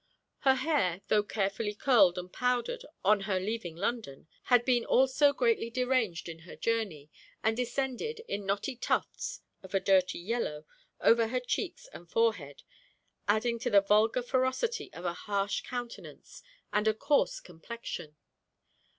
Her hair, tho' carefully curled and powdered on her leaving London, had been also greatly deranged in her journey, and descended, in knotty tufts of a dirty yellow, over her cheeks and forehead; adding to the vulgar ferocity of a harsh countenance and a coarse complexion.